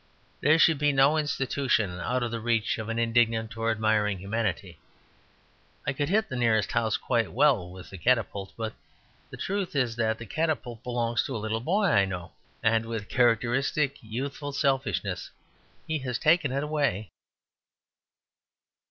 There should be no institution out of the reach of an indignant or admiring humanity. I could hit the nearest house quite well with the catapult; but the truth is that the catapult belongs to a little boy I know, and, with characteristic youthful 'selfishness, he has taken it away.